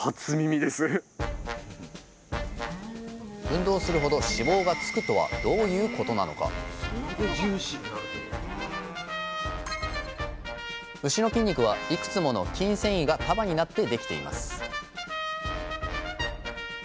運動するほど脂肪がつくとはどういうことなのか牛の筋肉はいくつもの筋線維が束になって出来ています